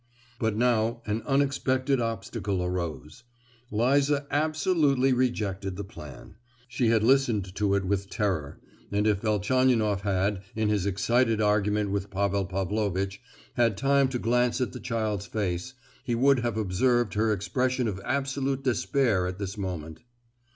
But now an unexpected obstacle arose: Liza absolutely rejected the plan; she had listened to it with terror, and if Velchaninoff had, in his excited argument with Pavel Pavlovitch, had time to glance at the child's face, he would have observed her expression of absolute despair at this moment.